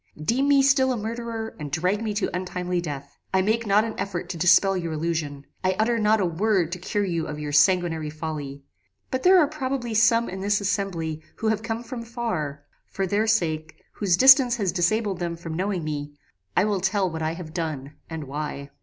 Deem me still a murderer, and drag me to untimely death. I make not an effort to dispel your illusion: I utter not a word to cure you of your sanguinary folly: but there are probably some in this assembly who have come from far: for their sakes, whose distance has disabled them from knowing me, I will tell what I have done, and why.